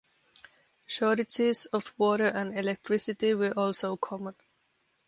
Shortages of water and electricity were also common.